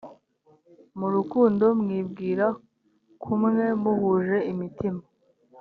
mu rukundo mwibwira kumwe muhuje imitima